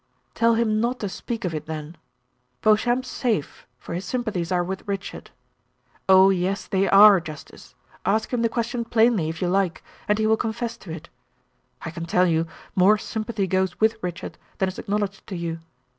"Tell him not to speak of it then. Beauchamp's safe, for his sympathies are with Richard oh, yes, they are, justice, ask him the question plainly if you like, and he will confess to it. I can tell you more sympathy goes with Richard than is acknowledged to you.